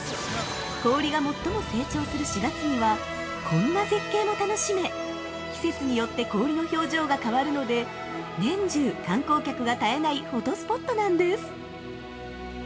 氷が最も成長する４月にはこんな絶景も楽しめ季節によって氷の表情が変わるので年中、観光客が絶えないフォトスポットなんです。